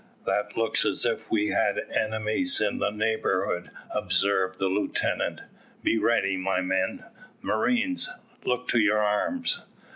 "That looks as if we had enemies in the neighbourhood," observed the lieutenant. "Be ready, my men marines, look to your arms."